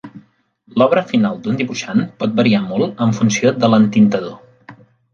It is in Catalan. L'obra final d'un dibuixant pot variar molt en funció de l'entintador.